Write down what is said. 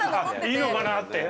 いいのかな？って。